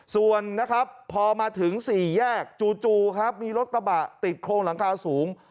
ส่วนนะครับพอมาถึง๔แยกจู่ครับมีรถกระบะติดโครงหลังคาสูง